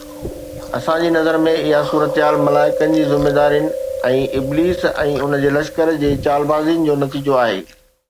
اسان جي نظر ۾ اها صورتحال ملائڪن جي ذميدارين ۽ ابليس ۽ ان جي لشڪر جي چالبازين جو نتيجو آهي.